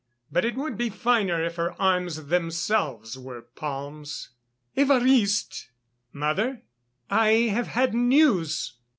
"But it would be finer if her arms themselves were palms." "Évariste!" "Mother?" "I have had news